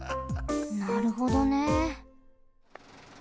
なるほどね。